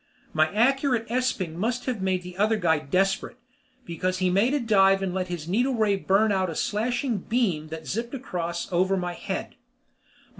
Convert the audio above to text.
My accurate esping must have made the other guy desperate, because he made a dive and let his needle ray burn out a slashing beam that zipped across over my head.